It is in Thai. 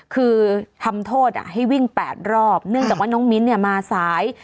คือทำโทษให้วิ่ง๘รอบเนื่องจากว่าน้องมิ้นเนี่ยมาสาย